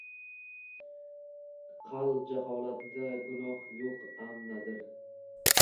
Qal Jaholatda gunoh yo’q.am nadir